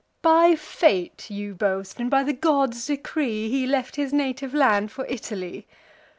By fate, you boast, and by the gods' decree, He left his native land for Italy!